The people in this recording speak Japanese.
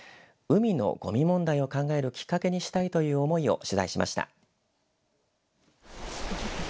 海のごみ問題を考えるきっかけにしたいという思いを取材しました。